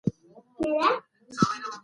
چي به ستړی سو